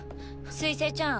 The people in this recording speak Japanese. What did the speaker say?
水星ちゃん。